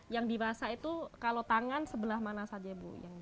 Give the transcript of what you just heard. yang dirasa itu kalau tangan sebelah mana saja bu